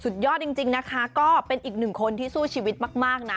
ยอดจริงนะคะก็เป็นอีกหนึ่งคนที่สู้ชีวิตมากนะ